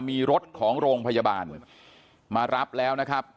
มีรถของโรงพยาบาลมารับแล้วนะครับ